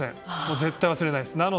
絶対忘れないです。